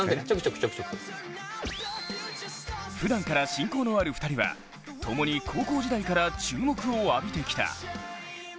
ふだんから親交のある２人はともに高校時代から注目を浴びてきた。